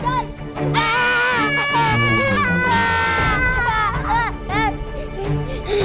berarti itu pocongnya yang kejar pitan